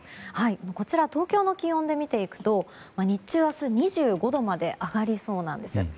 こちら東京の気温で見ていくと日中、明日２５度まで上がりそうなんです。